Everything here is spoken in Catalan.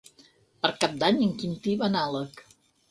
Per Cap d'Any en Quintí va a Nalec.